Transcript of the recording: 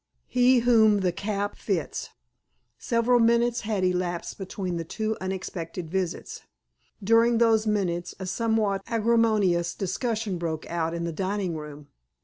How Whom the Cap Fits— Several minutes had elapsed between the two unexpected visits. During those minutes a somewhat acrimonious discussion broke out in the dining room.